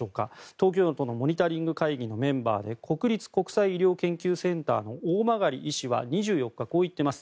東京都のモニタリング会議のメンバーで国立感染症研究センターの大曲医師は２４日、こう言っています。